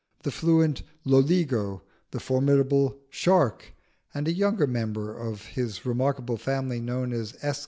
The fluent Loligo, the formidable Shark, and a younger member of his remarkable family known as S.